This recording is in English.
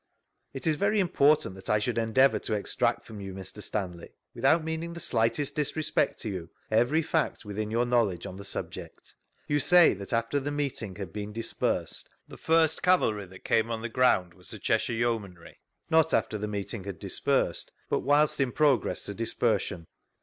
It is very important that I should endeavour to extract from you, Mr. Stanley, without meaning the slightest disrespect to you, every fact within your knowledge on the subject; you say that after the meeting had been dispersed, the first cavalry which appeared on the ground was the Cheshire Yeomanry P— Not after the meeting had dispersed, but whilst in progress to dispersion.